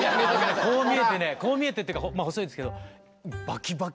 こう見えてねこう見えてっていうかまあ細いですけどバキバキ！